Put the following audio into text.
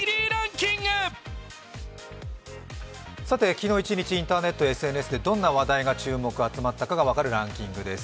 昨日一日、インターネット、ＳＮＳでどんな話題が注目集まったかが分かるランキングです。